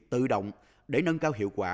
tự động để nâng cao hiệu quả